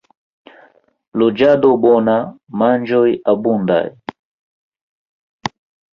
Loĝado bona, manĝoj abundaj.